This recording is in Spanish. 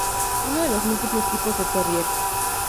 Uno de los múltiples tipos de Terrier.